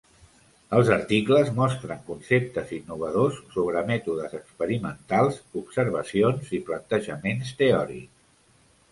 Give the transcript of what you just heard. Els articles mostren conceptes innovadors sobre mètodes experimentals, observacions i plantejaments teòrics.